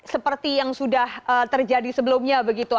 seperti yang sudah terjadi sebelumnya begitu